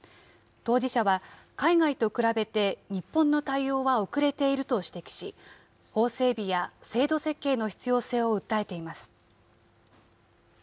当事者は、海外と比べて日本の対応は遅れていると指摘し、法整備や制度設計の必要性を訴えています。